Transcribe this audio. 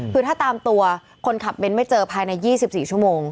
คือถ้าตามตัวคนขับเบ้นไม่เจอภายใน๒๔ชั่วโมง